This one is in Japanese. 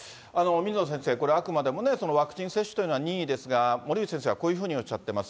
水野先生、これあくまでもワクチン接種というのは任意ですが、森内先生はこういうふうにおっしゃっています。